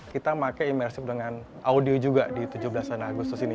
kita pakai imersif dengan audio juga di tujuh belas agustus ini